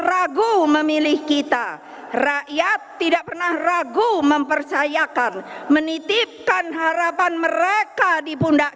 ragu memilih kita rakyat tidak pernah ragu mempercayakan menitipkan harapan mereka di pundak